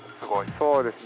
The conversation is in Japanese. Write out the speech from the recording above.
そうですね。